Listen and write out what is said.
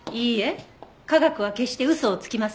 科学は決して嘘をつきません。